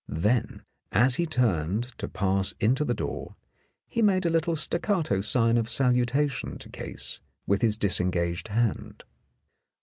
Then, as he turned to pass into the door, he made a little staccato sign of salutation to Case with his disengaged hand.